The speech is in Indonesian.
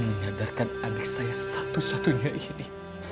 menyadarkan adik saya satu satunya ini